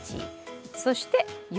そして、夜。